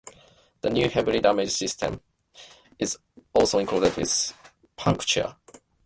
The new heavy damage system is also included with puncture, front-wing and nose damage.